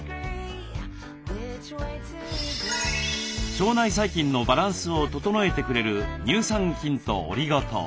腸内細菌のバランスを整えてくれる乳酸菌とオリゴ糖。